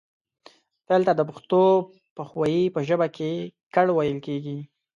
فعل ته د پښتو پښويې په ژبه کې کړ ويل کيږي